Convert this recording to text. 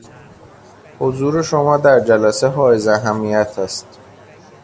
حضور شما در جلسه حائز اهمیت است.